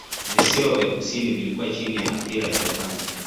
Visiwa vya kusini vilikuwa chini ya athira ya Japani.